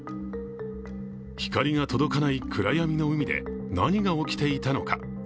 光が届かない暗闇の海で何が起きていたのか。